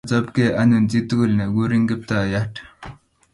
Nyo chopge anyun chi tugul ne kuurin Kiptayat